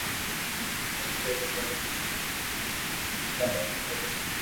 ھون ڪوئي ڪماوُ پئري ڪرو